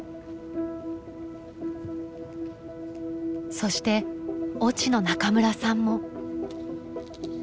そして「落」の中村さんも。